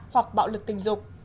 hoặc bạo lực tình dục